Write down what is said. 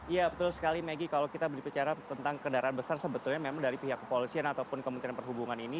ya betul sekali maggie kalau kita berbicara tentang kendaraan besar sebetulnya memang dari pihak kepolisian ataupun kementerian perhubungan ini